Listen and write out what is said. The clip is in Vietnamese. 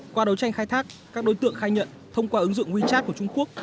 qua đấu tranh khai thác các đối tượng khai nhận thông qua ứng dụng wechat của trung quốc